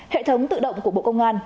hệ thống tự động của bộ công an